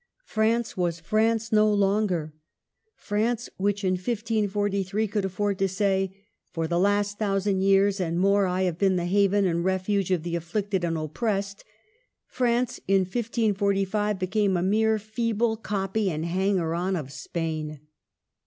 France was France no longer. France, which in 1543 could afford to say, " For the last thousand years and more I have been the haven and refuge of the afflicted and op pressed," ^— France in 1545 became a mere feeble copy and hanger on of Spain.